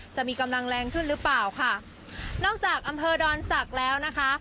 จะมีกำลังแรงขึ้นหรือเปล่าค่ะนอกจากอำเภอดอนศักดิ์แล้วนะคะ